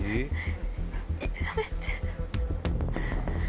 やめて。